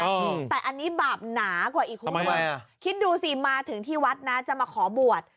อืมแต่อันนี้บาปหนากว่าอีกคุณผู้ชมคิดดูสิมาถึงที่วัดนะจะมาขอบวช